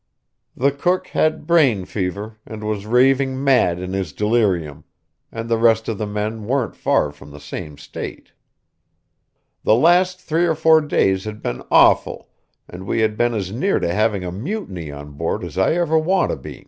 The cook had brain fever, and was raving mad in his delirium; and the rest of the men weren't far from the same state. The last three or four days had been awful, and we had been as near to having a mutiny on board as I ever want to be.